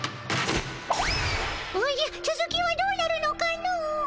おじゃつづきはどうなるのかの。